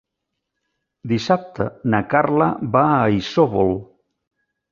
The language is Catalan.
Dissabte na Carla va a Isòvol.